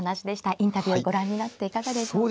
インタビューをご覧になっていかがでしょうか。